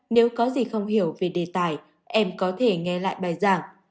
nếu có gì không hiểu về đề tài em có thể nghe lại bài giảng